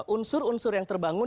unsur unsur yang terbangun